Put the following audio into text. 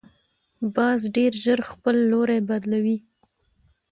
باز ډیر ژر خپل لوری بدلوي